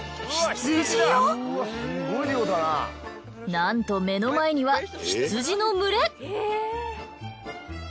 なんと目の前には羊の群れ。